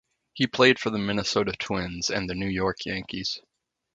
He played for the Minesota Twins, and the New York Yankees.